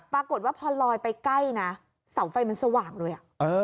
ปรากฏว่าพอลอยไปใกล้นะเสาไฟมันสว่างเลย